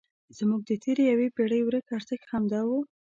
زموږ د تېرې یوې پېړۍ ورک ارزښت همدا و.